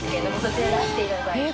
修舛出していただいて。